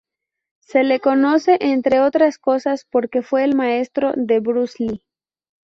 Se le conoce, entre otras cosas, porque fue el maestro de Bruce Lee.